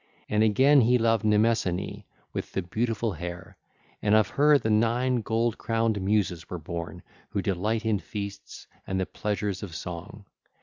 (ll. 915 917) And again, he loved Mnemosyne with the beautiful hair: and of her the nine gold crowned Muses were born who delight in feasts and the pleasures of song.